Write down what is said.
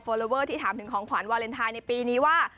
ลอเวอร์ที่ถามถึงของขวัญวาเลนไทยในปีนี้ว่า